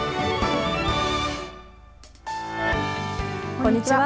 こんにちは。